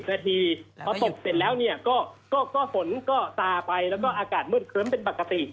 พอตกเสร็จแล้วก็ฝนตากลงไปแล้วก็อากาศมืดเคลิ้มเป็นปกติ